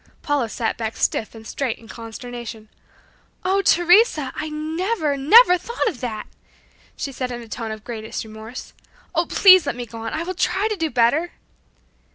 Paula sat back stiff and straight in consternation. "Oh, Teresa, I never, never thought of that!" she said in a tone of greatest remorse, "Oh, please let me go on! I will try to do better!"